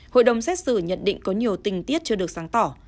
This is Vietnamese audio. hội đồng xét xử nhận định có nhiều tình tiết chưa được sáng tỏ